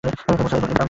Hey Musa ibn Imran!